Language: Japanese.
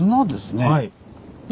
はい。